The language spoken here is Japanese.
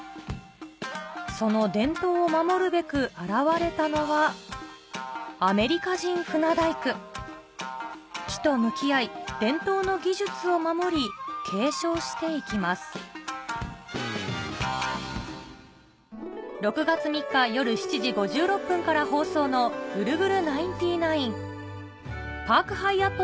その伝統を守るべく現れたのはアメリカ人舟大工木と向き合い伝統の技術を守り継承して行きます６月３日夜７時５６分から放送のパークハイアット